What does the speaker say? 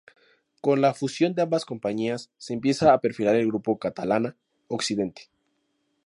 Con la fusión de ambas compañías se empieza a perfilar el Grupo Catalana Occidente.